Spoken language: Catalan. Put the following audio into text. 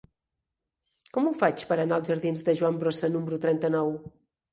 Com ho faig per anar als jardins de Joan Brossa número trenta-nou?